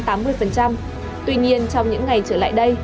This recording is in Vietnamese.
tuy nhiên trong những ngày trở lại đây